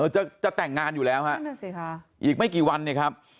จะแต่งงานอยู่แล้วฮะอีกไม่กี่วันเนี่ยครับ